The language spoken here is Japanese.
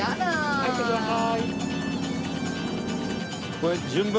書いてください。